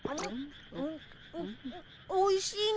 おいしいね